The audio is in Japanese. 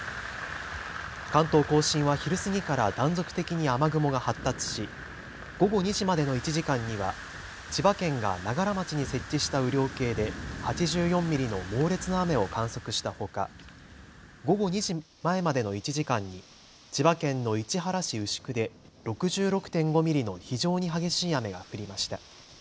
関東甲信は昼過ぎから断続的に雨雲が発達し午後２時までの１時間には千葉県が長柄町に設置した雨量計で８４ミリの猛烈な雨を観測したほか、午後２時前までの１時間に千葉県の市原市牛久で６６．５ミリの非常に激しい雨が降りました。